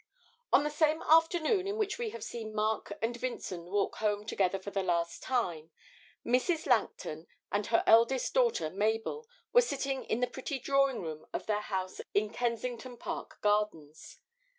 On the same afternoon in which we have seen Mark and Vincent walk home together for the last time, Mrs. Langton and her eldest daughter Mabel were sitting in the pretty drawing room of their house in Kensington Park Gardens.